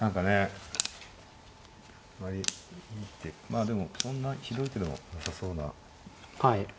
まあでもそんなひどい手でもなさそうな。